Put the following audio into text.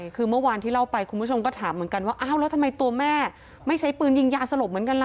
คือเมื่อวานที่เล่าไปคุณผู้ชมก็ถามเหมือนกันว่าอ้าวแล้วทำไมตัวแม่ไม่ใช้ปืนยิงยาสลบเหมือนกันล่ะ